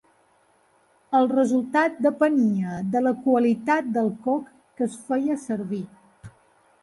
El resultat depenia de la qualitat del coc que es feia servir.